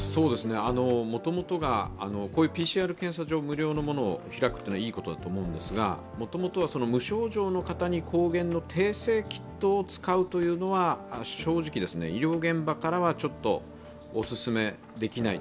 もともとがこういうＰＣＲ場を無料のものを開くのはいいんですがもともとは無症状の方に抗原の定性キットを使うというのは正直、医療現場からちょっとお勧めできない。